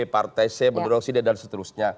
partai c mendorong si d dan seterusnya